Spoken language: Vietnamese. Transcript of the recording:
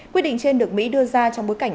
quyết định trên được mỹ đưa ra trong bối cảnh